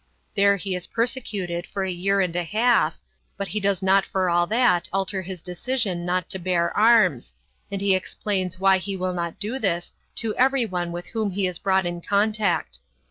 There he is persecuted for a year and a half, but he does not for all that alter his decision not to bear arms, and he explains why he will not do this to everyone with whom he is brought in contact.